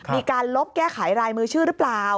มีการลบแก้ไขรายมือชื่อหรือเปล่า